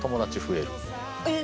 えっ！